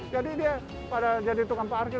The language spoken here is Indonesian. jadi dia pada jadi tukang parkir